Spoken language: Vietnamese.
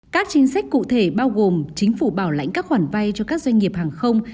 các chính sách cụ thể bao gồm chính phủ bảo lãnh các khoản vay cho các doanh nghiệp hàng không